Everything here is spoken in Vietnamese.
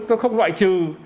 tôi không loại trừ